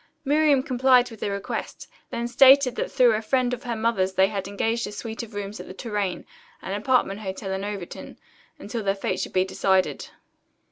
Miriam complied with the request, then stated that through a friend of her mother's they had engaged a suite of rooms at the Tourraine, an apartment hotel in Overton, until their fate should be decided.